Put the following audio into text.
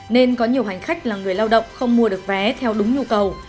nên có nhiều hành khách là người lao động không mua được vé theo đúng nhu cầu